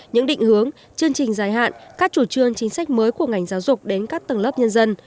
những định hướng chương trình dài hạn các chủ trương chính sách mới của ngành giáo dục đến các tầng lớp nhân dân